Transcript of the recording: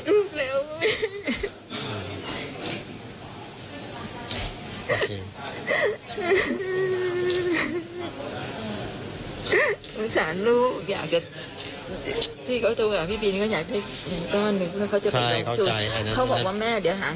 อุปสรรพ์